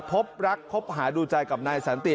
พบรักคบหาดูใจกับนายสันติ